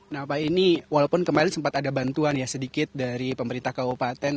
nah pak ini walaupun kemarin sempat ada bantuan ya sedikit dari pemerintah kabupaten